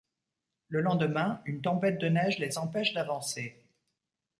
Le lendemain, une tempête de neige les empêche d'avancer.